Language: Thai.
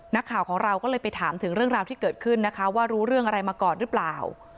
นักข่าวของเราก็เลยไปถามถึงเรื่องราวที่เกิดขึ้นนะคะว่ารู้เรื่องอะไรมาก่อนหรือเปล่า